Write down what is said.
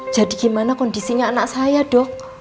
jadi gimana kondisinya anak saya dok